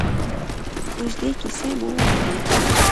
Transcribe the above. اوږدې کیسې مو وکړې.